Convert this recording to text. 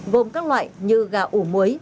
gồm các loại như gà ủ muối